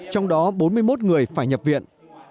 trong đó bốn mươi một người phải nhập viện